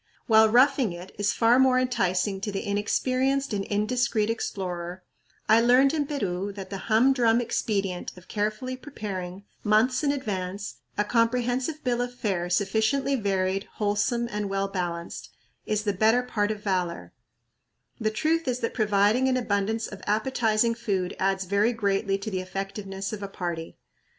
While "roughing it" is far more enticing to the inexperienced and indiscreet explorer, I learned in Peru that the humdrum expedient of carefully preparing, months in advance, a comprehensive bill of fare sufficiently varied, wholesome, and well balanced, is "the better part of valor," The truth is that providing an abundance of appetizing food adds very greatly to the effectiveness of a party.